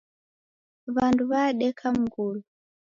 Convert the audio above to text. W'andu w'adeka mngulu.